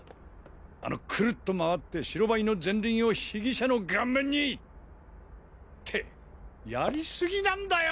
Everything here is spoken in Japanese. あのクルっと回って白バイの前輪を被疑者の顔面にってやり過ぎなんだよ！